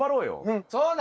うんそうだね。